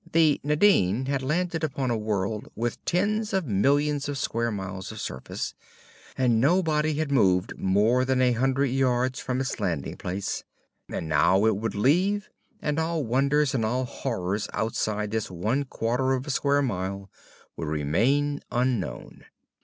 The Nadine had landed upon a world with tens of millions of square miles of surface, and nobody had moved more than a hundred yards from its landing place, and now it would leave and all wonders and all horrors outside this one quarter of a square mile would remain unknown....